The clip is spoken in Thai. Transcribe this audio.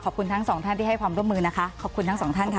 ทั้งสองท่านที่ให้ความร่วมมือนะคะขอบคุณทั้งสองท่านค่ะ